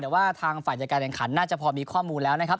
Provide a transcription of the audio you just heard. แต่ว่าทางฝ่ายจัดการแข่งขันน่าจะพอมีข้อมูลแล้วนะครับ